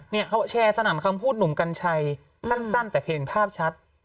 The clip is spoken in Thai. เนี่ยเขาแชร์สนามคำพูดหนุ่มกัญชัยสั้นแต่เพลงภาพชัด